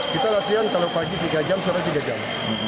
kita latihan kalau pagi tiga jam sore tiga jam